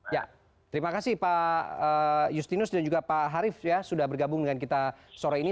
ya terima kasih pak justinus dan juga pak harif ya sudah bergabung dengan kita sore ini